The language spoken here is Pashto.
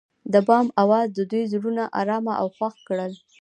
د بام اواز د دوی زړونه ارامه او خوښ کړل.